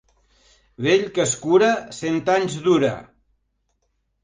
Vell que es cura, cent anys dura.